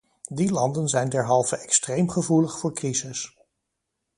Die landen zijn derhalve extreem gevoelig voor crises.